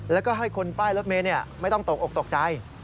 แล้วก็ให้คนป้ายรถเมย์ไม่ต้องตกออกตกใจ